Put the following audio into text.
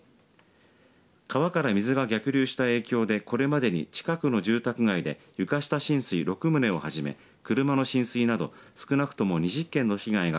川から水が逆流した影響でこれまでに近くの住宅街で床下浸水６棟をはじめ車の浸水など、少なくとも２０件の被害が